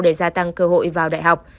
để gia tăng cơ hội vào đại học